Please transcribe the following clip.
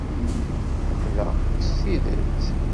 Ḥemmleɣ-k s tidet.